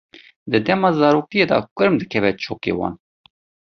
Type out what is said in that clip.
Di dema zaroktiyê de kurm dikeve çokê wan.